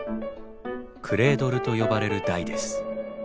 クレードルと呼ばれる台です。